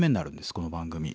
この番組。